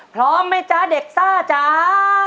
พร้อมไหมจ๊ะเด็กซ่าจ้า